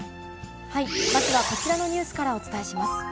まずはこちらのニュースからお伝えします。